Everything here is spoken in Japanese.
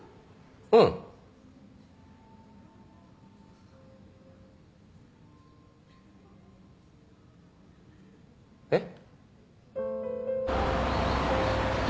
うん。えっ？